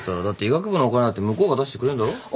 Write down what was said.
だって医学部のお金だって向こうが出してくれんだろ？